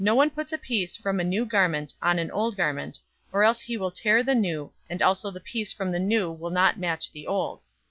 "No one puts a piece from a new garment on an old garment, or else he will tear the new, and also the piece from the new will not match the old.